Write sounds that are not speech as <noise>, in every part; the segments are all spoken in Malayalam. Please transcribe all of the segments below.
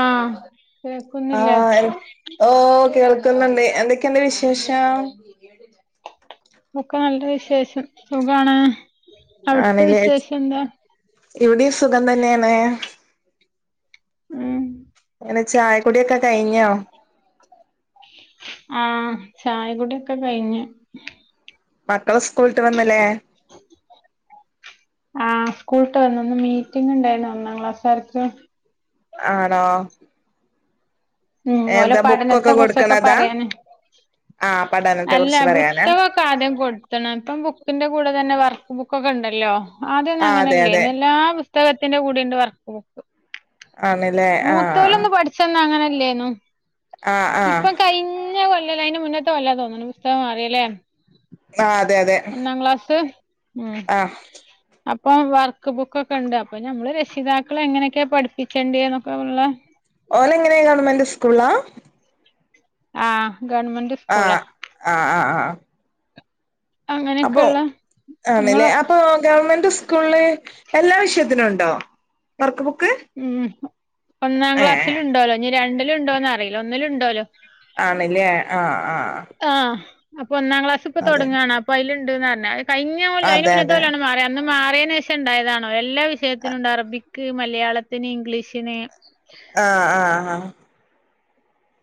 ആഹ് കേക്കുന്നില്ലേ ആഹ് ഓ കേൾക്കുന്നുണ്ട് എന്തൊക്കെയണ്ട് വിശേഷം ഒക്കെ നല്ല വിശേഷം സുഖമാണ് അവിടുത്തെ വിശേഷം എന്താ എവിടെ സുഖം ഉം തന്നെയാണ് ചായക്കൊടിയൊക്കെ കഴിഞ്ഞോ ആഹ ചായകുടിയൊക്കെ കഴിഞ മക്കളെ സ്കൂളിട്ട് വന്നല്ലേ ആഹ് സ്കൂളിട്ട് വന്ന് മീറ്റിംഗ ഉണ്ടായിന്ന് ഒന്നാം ക്ലാസ്സാർക്ക് ആണോ ഉം ഓലെ എന്താ ബുക്കൊക്കെ പഠനത്തെ കുറിച്ചൊക്കെ കൊടുക്കണതാ പറയാന് ആഹ് പഠനത്തെ അല്ല കുറിച്ച് പറയാനാ പുസ്തക ആദ്യം കൊടുത്തണം ഇപ്പം ബുക്കിന്റെ കൂടെ തന്നെ വർക്ക് ബുക്കൊക്കെ ഉണ്ടല്ലോ അതൊന്നും ആഹ് അതെ അങ്ങനെയല്ലേ അതെ എല്ലാ പുസ്തകത്തിന്റെ കൂടെണ്ട് വർക്ക് ബുക്ക് ആണല്ലേ ആഹ് മൂത്തോലൊന്ന് പഠിച്ചന്ന അങ്ങനല്ലായിര് ന്ന് ആഹ് ആഹ് ഇപ്പം കഴിഞ്ഞ കൊല്ലല്ല അതിന്റെ മുന്നത്തെ കൊല്ലാ തോന്നുന്നു പുസ്തകം മാറിയല്ലേ ആ അതെ അതെ ഒന്നാം ക്ലാസ് ഉം ആഹ് അപ്പൊ വർക്ക് ബുക്ക ഒക്കെ ഉണ്ട് അപ്പൊ നമ്മള് രക്ഷിതാക്കൾ എങ്ങനെയൊക്കെയ പഠിപ്പിച്ചണ്ട എന്നൊക്കെ ഉള്ള ഓല എങ്ങനെയാ ഗവൺമെന്റ് സ്കൂളാ ആഹ് ഗവൺമെന്റ് ആഹ സ്കൂളാ ആഹ ആഹ ആഹ അപ്പോ അങ്ങനെയൊക്കെയുള്ള ആണല്ലേ നിങ്ങള് അപ്പൊ ഗവൺമെന്റ് സ്കൂളിൽ എല്ലാ വിഷയത്തിനും ഉണ്ടോ വർക്ക് ബുക്ക് ഉം ഒന്നാം ഏ ക്ലാസ്സിലുണ്ടല്ലോ രണ്ടില ഉണ്ടോന്ന് അറിയില്ല ഒന്നിലുംണ്ടോല്ലോ ആണല്ലേ ആഹ് ആഹ് ആഹ് അപ്പൊ ഒന്നാം ക്ലാസ് ഇപ്പ അതെ തുടങ്ങുകയാണ് അപ്പ അലുണ്ട്ന്ന് പറഞ്ഞ കഴിഞ്ഞ പോലെ അയ്ന് അതെ മുന്നത്തെ അതെ കൊല്ലാണ് മാറ ന്ന് മാറിയന് ശേഷം ഉണ്ടായതാണോ എല്ലാ വിഷയത്തിനും ഉണ്ട് അറബിക് മലയാളത്തിന് ഇംഗ്ലീഷിന് ആഹ് ആഹ് ആഹ്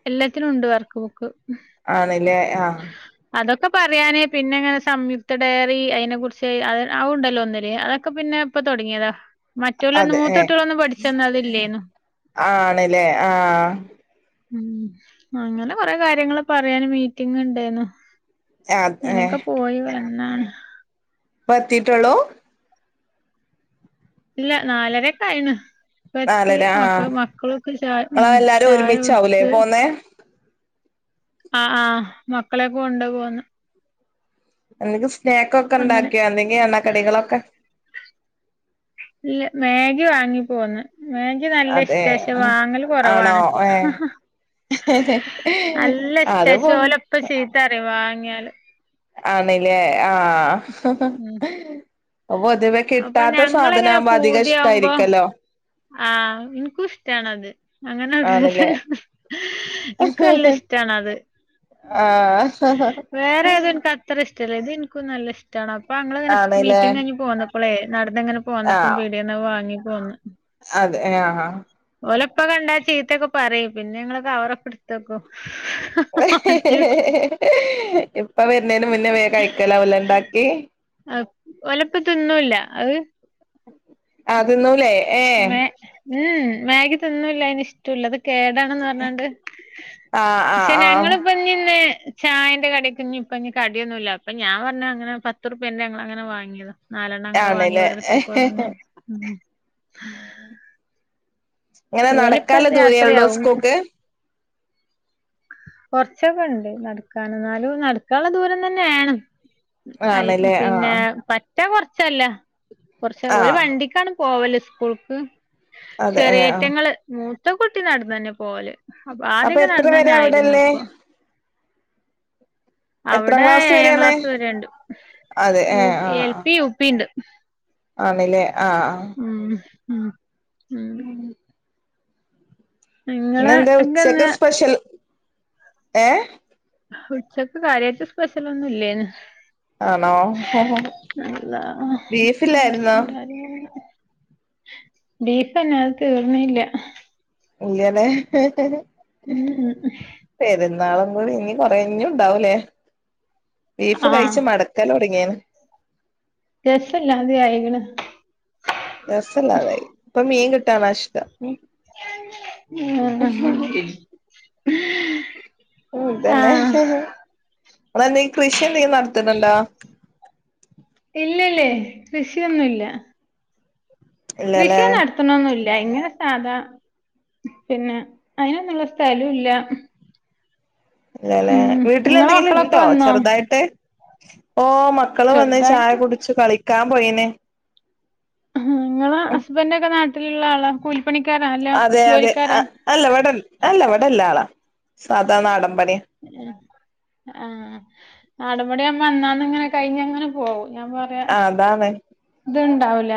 എല്ലാത്തിനും ഉണ്ട് വർക്ക് ബുക്ക് ആണല്ലേ ആഹ അതൊക്കെ പറയാന് പിന്നെങ്ങനെ സംയുക്ത ഡയറി അതിനെ കുുറിച്ച് ആ ഉണ്ടല്ലോ ഒന്നിൽ അതൊക്കെ പിന്നെ പ്പ തൊടങ്ങിയതാ മറ്റുള്ള ഒന്ന് അതെ ഏ മൂത്തൊട്ടികൊന്നും പഠിച്ച തന്ന അതില്ലേന്നു ആണല്ലേ ആഹ് ഉം അങ്ങനെ കൊറെ കാര്യങ്ങള് പറയാന് മീറ്റിംഗ ഉണ്ടായിന്ന് അത് ഏ അയ്നൊക്കെ പോയി വന്നാണ് പ്പ ത്തിട്ടുള്ളൂ ഇല്ല നാലരൊക്കെ ആയിണ് രത്തി നാലര മക്ക ആഹ് മക്കളൊക്കെ ചായ ഉ നിങ്ങള് എല്ലാരും ചായ ഒരുമിച്ചാവൂലേ കൊടുത്ത് പോന്നേ ആ ആ മക്കളെൊക്കെ കൊണ്ട് പോന്ന്. എന്തെങ്കിസ്നേക്ക് ഒക്കെ അങ്ങനെ ഉണ്ടാക്കിയോ? എന്തെങ്കിൽ എണ്ണക്കടികളൊക്കെ? ഇല്ല മാഗി വാങ്ങിപ്പോന്ന് മേഗി അതെ നല്ലഷ്ട ക്ഷെ വാങ്ങല് ആണോ കൊറവാണ്. ഏ നല്ല ഇഷ്റ്റ അത് ക്ഷെ പോ ഓലപ്പ ചീത്തറിം വാങ്ങ്യാല്. ആണ്ലേ ആഹ് ഉം പൊതുവെ അപ്പൊ കിട്ടാത്ത ഞങ്ങളിങ്ങനെ സാധനാവുമ്പോ അധിക പൂതിയാവുമ്പോ ഇഷ്ടായിരിക്കല്ലോ. ആഹ് ഇൻക്കുഷ്ടാണത് അങ്ങനെ ആണില്ലേ ഇൻക്കും നല്ല ഇഷ്ട്ടാണത്. ആഹ് അത്ര ഇഷ്ട്ടല്ല ഇത് ഇൻക്കും നല്ല ഇഷ്ട്ടാണ അപ്പം അങ്ങള്ങ്ങനെ ആണ്ല്ലേ മീറ്റിംങ്ങയ്ഞ്ഞ് പോന്നപ്പളേ നടന്നങ്ങനെ പോന്നപ്പം ആഹ് പീടേന്ന് വാങ്ങി പോന്ന് അതെ എഹ് ആഹ് ഓലെപ്പ കണ്ടാ ചീത്തൊക്കെ പറയും പിന്നെ ഞങ്ങള് കവറൊക്കെട്ത്തക്കും. ഇപ്പ വര്ന്നേന് മുന്നേ വേം കഴിക്കലാവുലെണ്ടാക്കി. അഹ് ഓലപ്പതിന്നൂല്ല അഹ് അഹ് തിന്നൂലേ? ഏഹ് മെ ഉംഉം മേഗി തിന്നൂല്ല അയ്നിഷ് റ്റൂല്ല അത്കേടാണെന്ന് പർഞ്ഞാണ്ട് ആഹ് പക്ഷേ ആഹ് ആഹ് ഞങ്ങളിപ്പഞ്ഞിന്ന് ചായന്റെ കടിക്ക് ഇഞ്ഞ്പ്പഞ്ഞ് കടിയൊന്നുല്ല അപ്പൊ ഞാൻ പർഞ്ഞ് അങ്ങറെ പത്തുർപ്യന്റെ ഞങ്ങളങ്ങനെ വാങ്ങിതാ നാലെണ്ണം അങ്ങനെ വാങ്ങി ആണ്ല്ലേ ഓരോര്ത്തര്ക്കോരോന്ന് എങ്ങനെ ഇവലിപ്പ നടക്കാള്ള ദൂരെയൊള്ളൂ രാത്രിയാവും സ്കൂക്ക്? <inaudible> കൊർച്ചൊകെണ്ട് നടക്കാനും ന്നാലും നടക്കാള്ള ദൂരം തന്നേണ്. അൽ ആണ്ല്ലേ പിന്നെ ആഹ് പറ്റ് പറ്റ കൊർച്ചല്ല കൊർച്ച് ഓര് ആഹ് വണ്ടിക്കാണ് പോവല് സ്കൂൾക്ക്. അതെ ഏഹ് ആഹ് ചെറിയേറ്റങ്ങള് മൂത്തക്കുട്ടി നടന്നന്നെ പോവല്. അപ്പൊ ആദ്യൊക്കെ എത്ര വരെ നടന്നന്നായിരുന്നു അവിടെള്ളേ പ്പം എത്രാം അവിടെ ക്ലാസ് ഏഴാം വരെയാണ് ക്ലാസ് വരെണ്ട് അതെ ഏ യു എൽ പി, യുപി ണ്ട് ആണ് ലേ ആഹ് ആഹ് ഊം ഉം ഉം നിങ്ങള് പിന്നെന്താ ഉച്ചക്ക് എന്തന്ന് സ്പെഷ്യൽ? ഏഹ് ഉച്ചക്ക് കാര്യായ്ട്ട് സ്പെഷ്യലൊന്നും ഇല്ലേന്ന്. ആണോ അള്ളാ ബീഫില്ലായിരുന്നോ ബെല്ലട്ച്ചിണ്ടറീല ബീഫന്നെ അഹ് തീർന്നീല്യ. ഇല്ല്യ ലെ ഉം ഉം പെരുന്നാളും കൂടി ഇഞ്ഞ് കൊറേ ഇഞ്ഞുംണ്ടാവൂലേ ബീഫ് ആഹ് കഴിച്ച് മട് ക്കലൊട്ങ്ങീണ് രസല്ലാതെ ആയിഗ്ണ് രസല്ലാതായി ഇപ്പ മീൻ കിട്ടാനാഷ്ട്ടം ഉം <unintelligible> ഉം തന്നെ ആഹ് നിങ്ങളെന്തെങ്കി കൃഷി എന്തെങ്കിലും നട്ത്ത്ന്ന്ണ്ടോ? ഇല്ലല്ലേ കൃഷിയൊന്നുംല്ല ഇല്ലല്ലേ കൃഷിയന്നട് ത്ത്ണൊന്നുല്ല ഇങ്ങനെ സാധാ പിന്നെ അയ്നൊന്നുള്ള സ്ഥലൂല്ല ഇല്ലലേ ഉം വീട്ടില് നിങ്ങളെ എന്തെങ്കിലി മക്കളൊക്കെ ഇണ്ടോ വന്നോ ചെറ്തായിട്ട് ഓ മ ക്കള് വന്ന് ചായ ചെറുതായിട്ട് കുടിച്ച് കളിക്കാം പോയിണ് ഇങ്ങള ഹസ്ബന്റൊക്ക നാട്ടിൽള്ള ആളാ കൂലിപ്പണിക്കാരാ അല്ല അതെ അതെ അ ജോലിക്കാരാ അല്ല ഇവടൽ അല്ല ഇവടല്ലാളാ സാധാ നാടം പണ്യാ ആഹ് നാടം പണ്യാവുമ്പൊ അന്നാന്ന് ഇങ്ങനെ കഴിഞ്ഞങ്ങനെ പോവും ഞാ പർ ആ അതാണ് ഇത്ണ്ടാവു‌ല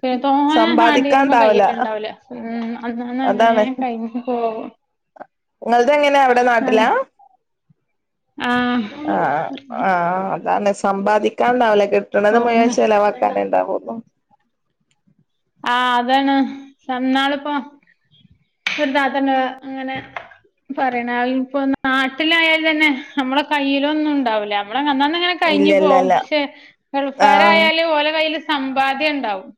പി തോനെ വാണ്ട്യരുമ്പ സമ്പാദിക്കാണ്ടാവൂല കയ്യില്ണ്ടാവൂല. ഉം അന്നാന്ന് അങ്ങനെ അതാണ് കൈഞ്ഞ് പോവും ഇങ്ങൾതെങ്ങനെ അവ്ട നാട്ടിലാ അങ്ങ് ആഹ്. ആഹ് ആ അതാണ്. സമ്പാദിക്കാണ്ടാവൂല കിട്ട്ണത് മുഴുവൻ ഒറങ്ങ ചെലവാക്കാനെ ഇണ്ടാവൊള്ളൂ. ആ അതാണ്. ഇന്നാള്പ്പൊ ഒരു താത്ത ഇന്നോട് ഇങ്ങനെ പറിണെ ആൾ ഇപ്പൊ നാട്ടിലായാൽ തന്നെ നമ്മള കയ്യിലൊന്നും ഇണ്ടാവൂലാ. ഞമ്മള അന്നാന്നങ്ങനെ കയ്‌ഞ് പോവും. ഇല്ലല്ലല്ല പക്ഷെ ആ ഗൾഫാരായാല് ഓലെ കയ്യില് സമ്പാദ്യം ഇണ്ടാവും.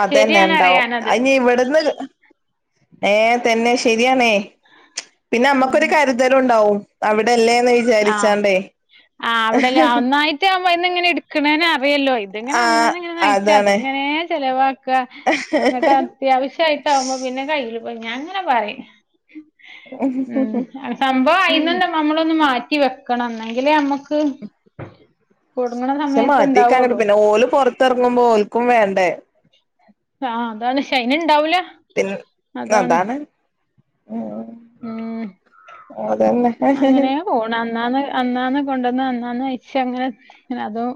അതന്നെ ഇണ്ടാവും. അറിയാനത് അയിഞ് ഇവട്ന്ന് ഏ തന്നെ ശര്യാണെ പിന്നെ അമ്മക്കൊരു ഉം കര് തലും ഇണ്ടാവും അവ്ടെല്ലേന്ന് വിചാരിച്ചാണ്ടേ. ആ അവ്ടല്ലേ ആ ഒന്നായിട്ട് ആവുമ്പ അയിന്ന് ഇങ്ങനെ ഇട്ക്ക്ണേന് അറിയല്ലോ ഇത് ഇങ്ങനെ ആഹ് അന്നാന്ന് ഇങ്ങനെ ച്ച അത് അതാണ് ഇങ്ങനെ ചെലവാ ക്ക ഇന്നട്ട് അത്യാവശ്യായിട്ടാവുമ്പോ പിന്നെ കയ്യില് പോ ഞാങ്ങനെ പറയും ഉം, സംഭവം അയിന്നന്നെ മമ്മളൊന്ന് മാ റ്റി വെക്കണം ഇന്നെങ്കിലെ അമ്മക്ക് പക്ഷെ മാറ്റിക്കാ ഇങ്ങ്ട് പിന്നെ ഓല് പൊർത്തെർങ്ങുമ്പോ ഓൽക്കും വേണ്ടേ ആ അതാണ്. അയിന് ഇണ്ടാവൂല. പിൻ അതാണ്. ഉം. ഉം അതെന്നെ അങ്ങനെ പോണ് അന്നാന്ന് അന്നാന്ന് കൊണ്ടന്ന് അന്നാന്നയിച്ചങ്ങനെ പിന്നെ അതും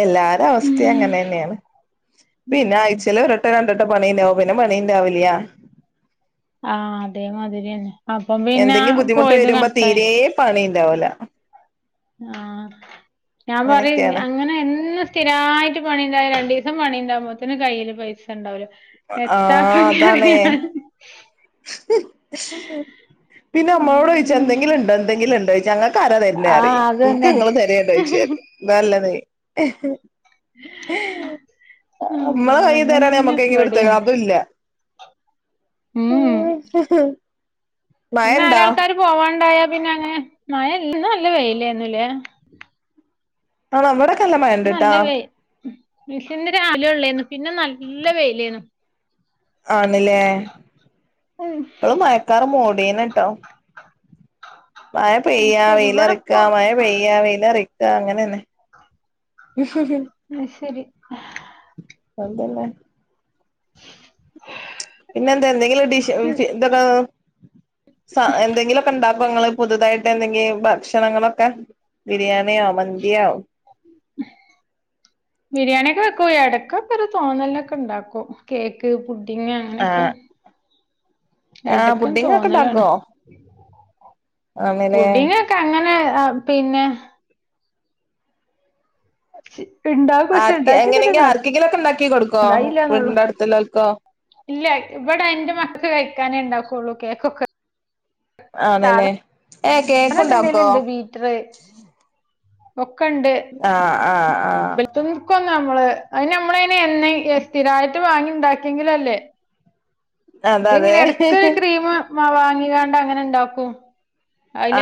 എല്ലാര അവസ്ഥി ഉം അങ്ങനെന്നേണ്. പിന്നെ ആഴ്ചേല് ഒരു വട്ടോ രണ്ടട്ടോ പണി ഇണ്ടാവും പിന്നെ പണി ഇണ്ടാവുല്യ ആ അതേമാതിരിയന്നെ. അപ്പം പിന്നെ പോയത് കൺക്കായി. പണി ഇണ്ടാവൂല. ആഹ് ഞാൻ പറയെ അങ്ങനെയൊക്കെയാണ് അങ്ങനെ എന്ന് സ്ഥിരായിട്ട് പണി ഇണ്ടായ രണ്ടീസം പണി ഇണ്ടാവുമ്പോത്ത്ന് കയ്യില് പൈസ ഇണ്ടാവൂല. എത്താപ്പ ആഹ് അതാണ് ഇങ്ങനായാല് പിന്നെ അമ്മളോടൊയ്ച്ചാ ഉം എന്തെങ്കില്ണ്ടോ എന്തങ്കിലുണ്ടോയ്ച്ചാ ഞങ്ങക്കാര ആഹ് തര്ന്നെറയും ഇൻക്ക് അതന്നെ ഇങ്ങള്‌ തരേണ്ടോയ്ച് ന്നാല്ലന്നെ അല്ല നമ്മളെ കയ്യില് തരാണെങ്കി അങ്ങനെന്നെ നമ്മക്കെങ്കിലും ഇവടിം ഇട്ത്തക്കാ. അതു ഇല്ല. ഉം ഈ നാലാൾക്കാര് പോവാണ്ടായ പിന്നെ അങ്ങനെ മഴ ഇല്ല ഇന്ന് നല്ല വെയിലേന്നു ലെ ആണോ ഇവടക്ക നല്ല മ ഇന്ന് നല്ല വെയി ഇന്ന് രാവിലൊള്ളേന്നു. പിന്നെ നല്ല വെയിലേന്നു. ആണ്ലെ ഉം ഇപ്പളും മയക്കാറ് മൂടീണ് ട്ടോ. <unintelligible> മയ അത് പെയ്യ ശരി വെയിലറിക്ക ഇവിടെപ്പോ മഴ പെയ്യ വെയിലറിക്ക അങ്ങനന്നെ അഹ്ശരി. എന്ത പിന്നെ? <inaudible> പിന്നെന്താ എന്തെങ്കിലും ഡിഷ് ഉം ഇതൊക്കെ സ എന്തെങ്കിലൊക്കെ ഇണ്ടാക്കോ ഇങ്ങള് പുതുതായിട്ട്? എന്തെങ്കി ഭക്ഷണങ്ങളൊക്കെ ബിരിയാണിയോ? മന്തിയോ? ബിരിയാണിയൊക്കെ വെക്കും എടക്കക്കൊരു തോന്നൽനൊക്കെ ഇണ്ടാക്കും. കേക്ക്, പുഡിങ്, ആ അങ്ങനെക്കെ. ആ എടക്കാണ്ട് പുഡിങ്ങൊക്കെ തോന്നലാണ്. ഇണ്ടാക്കോ ആണ്ല്ലേ പുഡിങ്ങൊക്കെ അങ്ങനെ ആഹ് പിന്നെ <inaudible> പക്ഷെ ആർക്ക് ഇണ്ടാക്കിയതില് എങ്ങനെങ്കി, ആർക്കെങ്കിലെക്കെ ഇണ്ടാക്കി കൊടുക്കോ? വീടിന്റെ അടുത്ത് ഇല്ലോല്ക്കോ? ഇല്ലൃ, ഇബടെ ഇന്റെ മക്കക്ക് കഴിക്കാനെ, ഇണ്ടാക്കൊള്ളൂ. കേക്ക് ഒക്കെ ആണ്ലെ, ഏഹേ കേക്കും ഇണ്ടാക്കോ? <unintelligible> ഒക്കെണ്ട് ആഹ് ആഹ് ആഹ് ഇബൽ <unintelligible> അയിന് നമ്മളയിന് എന്നെ സ്ഥിരായിട്ട് വാങ്ങി ഇണ്ടാക്കിയെങ്കില് അല്ലേ അതെ ഇത് അതെ ഇങ്ങനെ എടക്കൊര് ക്രീമ് ആഹ് വാങ്ങിങ്ങാണ്ട് അങ്ങനെ ഇണ്ടാക്കും.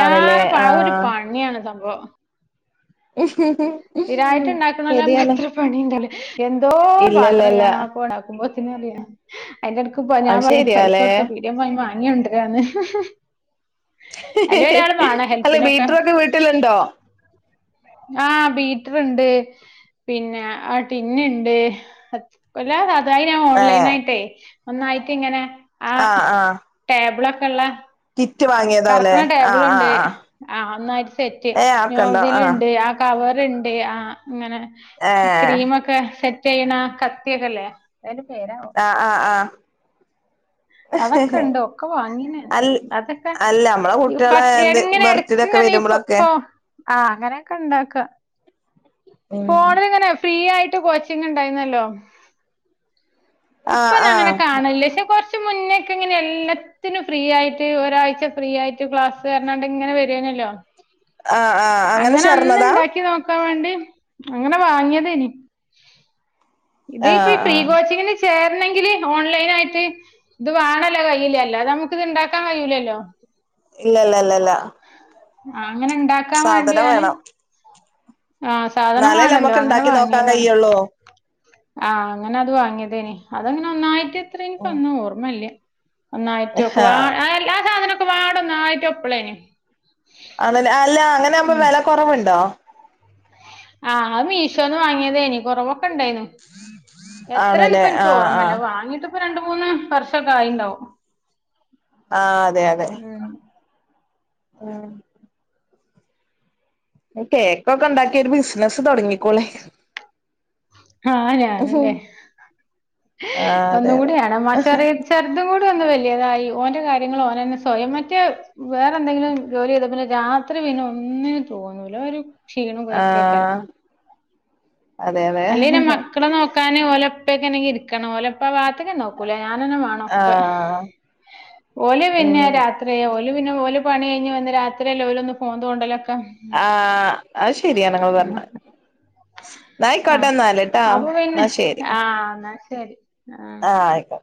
ആണ്ല്ലേ പണി, അതൊരു ആഹ് പണിയാണ് സംഭവം. സ്ഥിരായിട്ട് ഇണ്ടാക്ക്ണോലാവുമ്പം ശരിയാണ് അത്ര പണിയിണ്ടാവൂല. എന്തോ, പാത്രം ഇല്ലല്ലല്ല കഴ്കാന അതൊക്കെ പാടെ ആക്കുമ്പോത്തിന് അറിയൊ അയിലെട്ക്ക് പ ഞാൻ അത് പറിയും പേയി പൈസ ശരിയാല്ലേ കൊടുത്ത പീടിയെ പോയി വാങ്ങി കൊണ്ടരാന്ന്. അല്ല ബീറ്റർ ഒക്കെ വീട്ടിലുണ്ടോ? ആഹ്, ബീറ്ററ്ണ്ട് പിന്നെ ആ ടിന്ന്ണ്ട്. എല്ലാ സാധനും അത് ഞാൻ ഏഹ് ഓൺലൈനായിട്ടേ, ഒന്നായിട്ടിങ്ങനെ. ആഹ് ആഹ്. ടേബ്ള് ഒക്കള്ളെ. കിറ്റ് വാങ്ങിയ കറക്ക്ണ ടേബിള്ണ്ട്. ആഹ് ഒന്നായിറ്റ് സെറ്റ്. ഏഹ് ആക്കണ്ടോ ആഹ് നോസില്ണ്ട് ആ കവറ്ണ്ട് ആഹ് ഇങ്ങനെ, ഏഹ് ക്രീമൊക്കെ സെറ്റ് ചെയ്യ്ണ ആ കത്തിയെക്കെ ഇല്ലേ? എത്താ അയിൻ്റെ പേരാവോ ആഹ് ആഹ് ആഹ് അതൊക്കെണ്ട് ഒക്കെ വാങ്ങീണ് ഞാൻ അൽ അതൊക്കെ അല്ല നമ്മളെ കുട്ടികളെ ഫസ് എന്ത് ഇങ്ങനെ ബർത്ത്ഡേ ഒക്കെ എടക്ക്ങ്ങനെ. വരുമ്പോളൊക്കെ ഫോ ആഹ് അങ്ങനെക്കെ ഇണ്ടാക്ക ഉം ഫോണില്ങ്ങനെ ഫ്രീയായിട്ട് കോച്ചിങ് ഇണ്ടായിന്നല്ലോ ആഹ് ഇപ്പൊ ഞാൻ അങ്ങനെ ആഹ് കാണലില്ല. പക്ഷെ കൊർച്ച് മുന്നെക്കെ ഇങ്ങനെ, എല്ല ത്തിന്നും ഫ്രീ ആയിട്ട് ഒരാഴ്ച ഫ്രീ ആയിട്ട് ക്ലാസ് പറഞാണ്ട്ങ്ങനെ വെരുവേനല്ലോ? ആഹ് ആഹ് അങ്ങനെ ചേർന്നതാ. പഠിക്കാൻവേണ്ടി അങ്ങനെ വാങ്ങിയതേനി ഇത് ഇപ്പ ആഹ് ഈ ഫ്രീ ആഹ് കോച്ചിങ്ങിന് ചേരണങ്കില് ഓൺലൈനായിട്ട്. ഇത് വേണല്ലോ കയ്യില്. എല്ലാതെ നമ്മക്ക്ത് ഇണ്ടാക്കാൻ കയ്യൂലല്ലോ? ഇല്ല ല്ല ല്ല ല്ലാഹ് ആഹ് അങ്ങനെ ഇണ്ടാ സാധനം വേണം. ആഹ് എന്നാലേ സാധനംവാണല്ലോ നമ്മക്ക് അങ്ങനെ ഇണ്ടാക്കി നോക്കാൻ വാങ്ങിയതാണ്. കഴിയുള്ളൂ ആഹ് അങ്ങനെ അത് വാങ്ങിയതെയ്നി. അതങ്ങനെ ഒന്നായിട്ട് എത്രേ എൻക്ക് ഓർമ്മില്ലാ. ഒന്നായിട്ട് ആഹ് വെക്കുവാ എല്ലാ സാധനമൊക്കെ വാട നന്നായിട്ടും എപ്പളേന് അത് ലാ അല്ലാ അങ്ങനാകുമ്പോ ഉം വെല കെറവുണ്ടോ. ആഹ്, അത് മീഷോന്ന് വാങ്ങിയതേനി. കൊറവൊക്കെ ഒണ്ടായിനു എത്രേന്ന് ആണല്ലേ ഇപ്പൊ എൻക്ക് ആഹ് ഓർമില്ലാ ആഹ് വാങ്ങീട്ട് ഇപ്പൊ രണ്ട്, മൂന്ന്, വർഷൊക്കെ ആയിണ്ടാവും. ആഹ്, അതെ, അതെ. ഉം ആഹ്. കേക്കൊക്കെ ഉണ്ടാക്കി ഒരു ബിസിനസ്സ് തൊടങ്ങിക്കോളിം. ആഹ് ഞാനല്ലേ, അതെ ഒന്നും അതെ കൂടിവേണം ആ ചെറി ചെർദും കൂടി ഒന്ന് വലുതായി ഓന്റെ കാര്യങ്ങൾ ഓനന്നെ സ്വയം എന്നിട്ട് വേറെ എന്തെങ്കിലും ജോലി ചെയ്താ പിന്നെ. രാത്രി പിന്നെ, ഒന്നിനും തോന്നൂലോ ഒരു ക്ഷീണം ആഹ് <unintelligible> അതെ അതെ അല്ലെയ് പിന്നെ മക്കളെ നോക്കാന് ഓലപ്പൊക്കെ ഇരിക്കണം. ഓലപ്പാ ആ, ഭാഗത്തേക്കെ നോക്കൂല. ഞാനെന്നെ വാണം. ന്നൊക്കെ, ആഹ് ഓല് പിന്നെ ഉം രാ ഓല് പിന്നെ, ഓല് പണികഴിഞ്ഞ് വന്ന് രാത്രിയല്ലെ, ഓലൊന്ന് ഫോൺ തോണ്ടലൊക്കെ. ആഹ്, അയ് ശെരിയാണ് ഇങ്ങള് പറഞ്ഞെ എന്നാ ആയിക്കോട്ടെന്നാല്ട്ടോ എന്നാ ശെരി. ആഹ് എന്നാ ശെരി. ആഹ് ആയിക്കോട്ടേ.